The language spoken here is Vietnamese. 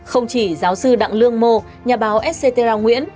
không chỉ giáo sư đặng lương mô nhà báo etc nguyễn